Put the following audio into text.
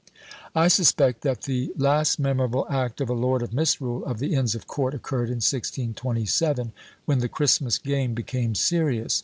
I suspect that the last memorable act of a Lord of Misrule of the inns of court occurred in 1627, when the Christmas game became serious.